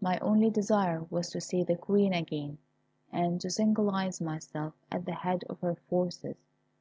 My only desire was to see the Queen again, and to signalize myself at the head of her forces.